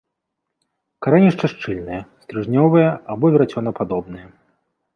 Карэнішча шчыльнае, стрыжнёвае або верацёнападобнае.